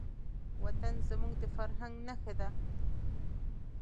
وطن زموږ د فرهنګ نښه ده.